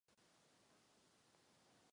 Později se stal viceprezidentem parlamentu.